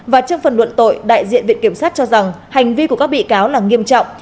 và trong phần luận tội đại diện viện kiểm sát cho rằng hành vi của các bị cáo là nghiêm trọng